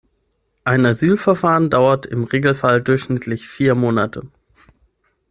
Ein Asylverfahren dauert im Regelfall durchschnittlich vier Monate.